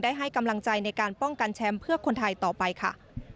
ให้กำลังใจในการป้องกันแชมป์เพื่อคนไทยต่อไปค่ะ